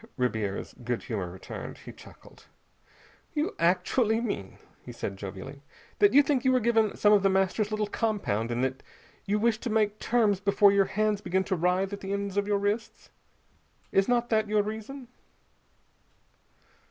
Ribiera's good humor returned. He chuckled. "You actually mean," he said jovially, "that you think you were given some of The Master's little compound, and that you wish to make terms before your hands begin to writhe at the ends of your wrists. Is not that your reason?"